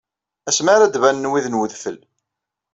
Asmi ara d-banen wid n wedfel.